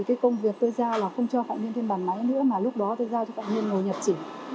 cái công việc tôi giao là không cho phạm nhân thêm bàn máy nữa mà lúc đó tôi giao cho phạm nhân ngồi nhật chỉ